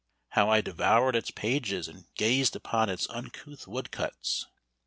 How I devoured its pages, and gazed upon its uncouth woodcuts!